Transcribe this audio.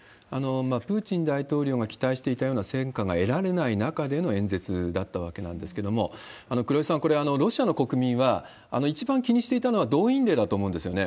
プーチン大統領が期待していたような戦果が得られない中での演説だったわけなんですけれども、黒井さん、これ、ロシアの国民は、一番気にしていたのは動員令だと思うんですよね。